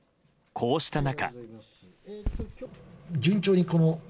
こうした中。